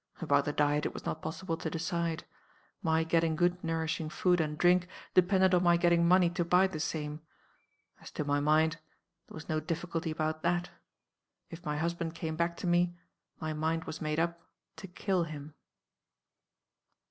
"About the diet it was not possible to decide. My getting good nourishing food and drink depended on my getting money to buy the same. As to my mind, there was no difficulty about that. If my husband came back to me, my mind was made up to kill him.